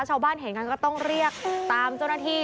ชาวบ้านเห็นกันก็ต้องเรียกตามเจ้าหน้าที่